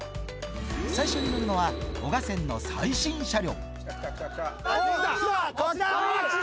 最初に乗るのは、男鹿線の最新車両。